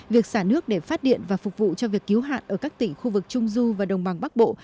việc xả nước để phát điện và phục vụ cho việc cứu hạn ở các tỉnh khu vực trung du và đồng bằng bắc bộ